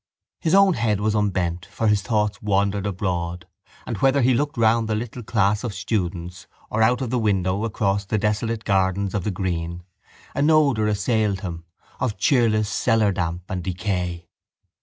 His own head was unbent for his thoughts wandered abroad and whether he looked around the little class of students or out of the window across the desolate gardens of the green an odour assailed him of cheerless cellardamp and decay.